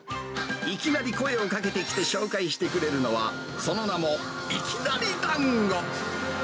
いきなり声をかけてきて、紹介してくれるのは、その名も、いきなり団子。